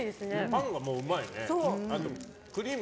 パンがもううまいね。